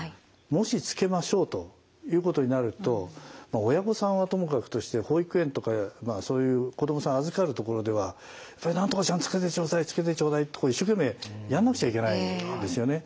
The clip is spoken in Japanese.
もしつけましょうということになると親御さんはともかくとして保育園とかそういう子どもさん預かるところでは何とかちゃんつけてちょうだいつけてちょうだいって一生懸命やんなくちゃいけないですよね。